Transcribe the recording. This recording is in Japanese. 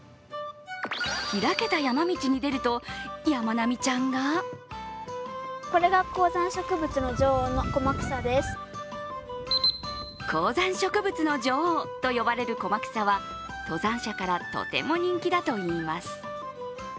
開けた山道に出るとやまなみちゃんが高山植物の女王と呼ばれるコマクサは登山者からとても人気だといいます。